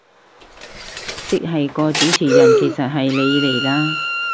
即係個主持人其實係你嚟啦